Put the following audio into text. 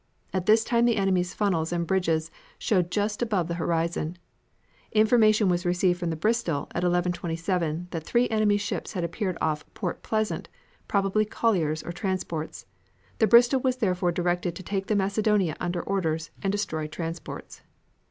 At this time the enemy's funnels and bridges showed just above the horizon. Information was received from the Bristol at 11.27 that three enemy ships had appeared off Port Pleasant, probably colliers or transports. The Bristol was therefore directed to take the Macedonia under orders and destroy transports.